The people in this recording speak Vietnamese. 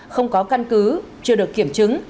không có căn cứ chưa được kiểm chứng